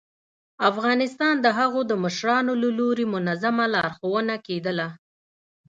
ه افغانستانه د هغو د مشرانو له لوري منظمه لارښوونه کېدله